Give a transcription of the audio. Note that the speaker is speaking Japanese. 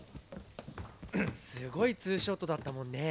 すごいツーショットだったもんね。